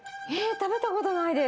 たべたことないです。